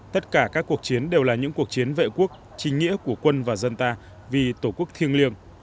tất cả các cuộc chiến đều là những cuộc chiến vệ quốc trinh nghĩa của quân và dân ta vì tổ quốc thiêng liêng